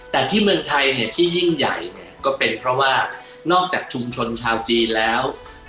แต่ที่เมืองไทยเนี่ยที่ยิ่งใหญ่เนี่ยก็เป็นเพราะว่านอกจากชุมชนชาวจีนแล้ว